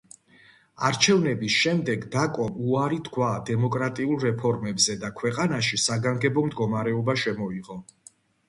არჩევნების შემდეგ დაკომ უარი თქვა დემოკრატიულ რეფორმებზე და ქვეყანაში საგანგებო მდგომარეობა შემოიღო.